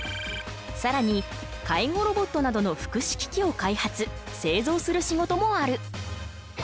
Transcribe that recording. さらに介護ロボットなどの福祉機器を開発製造する仕事もある。